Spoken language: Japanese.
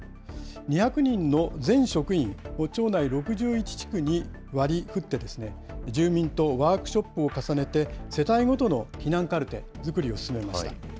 ２００人の全職員を町内６１地区に割りふって、住民とワークショップを重ねて、世帯ごとの避難カルテを作りました。